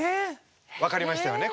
分かりましたよね？